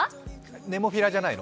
ネモフィラじゃないの？